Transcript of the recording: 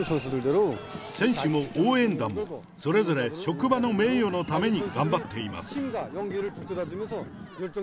選手も応援団も、それぞれ職場の名誉のために頑張っています。